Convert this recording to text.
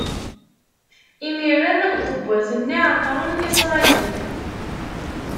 Imiren ṭṭebbat-nni ɛeṭṭren Isṛayil.